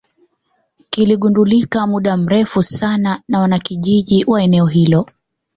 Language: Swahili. kiligundulika muda mrefu sana na wanakijiji wa eneo hilo